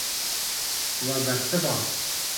We bersivand.